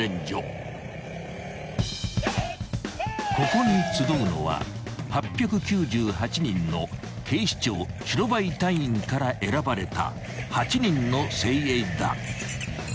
［ここに集うのは８９８人の警視庁白バイ隊員から選ばれた８人の精鋭だ］